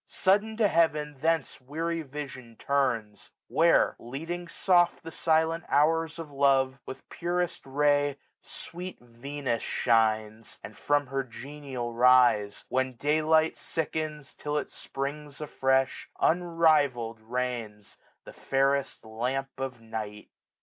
Sudden to heaven Thence weary vision turns ; where, leading soft The silent hours of love, with purest ray Sweet Venus shines ; and from her genial rise, 1695 When day light sickens till it springs afresh, Unrival'd reigns, the fairest lamp of night.